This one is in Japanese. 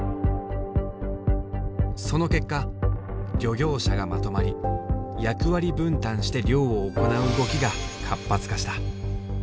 その結果漁業者がまとまり役割分担して漁を行う動きが活発化した。